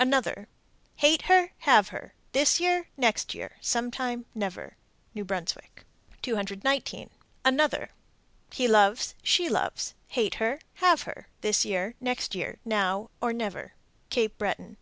Another: Hate her, Have her, This year, Next year, Sometime, Never. New Brunswick. 219. Another: He loves, She loves, Hate her, Have her, This year, Next year, Now or never. _Cape Breton.